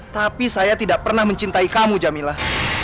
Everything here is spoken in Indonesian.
tapi saya tidak pernah mencintai kamu jamilah